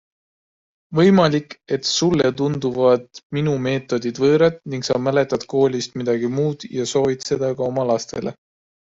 Võimalik, et sulle tunduvad minu meetodid võõrad ning sa mäletad koolist midagi muud ja soovid seda ka oma lastele.